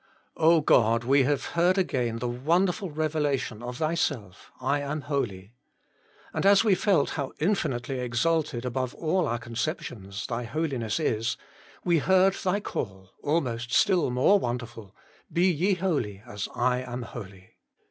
God ! we have again heard the wonderful revelation of Thyself, ' I am holy.' And as we felt how infinitely exalted above all our conceptions Thy Holiness is, we heard Thy call, almost still more wonderful, ' Be ye holy, as I am holy.'